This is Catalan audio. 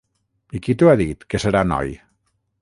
I qui t'ho ha dit que serà noi?